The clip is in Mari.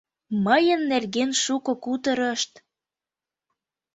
Мыйын нерген шуко кутырышт..